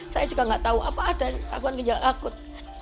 saya juga gak tahu apa ada gangguan ginjal akut